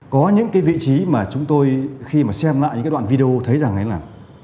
có những vị trí mà chúng tôi khi mà xem lại những đoạn video thấy rằng là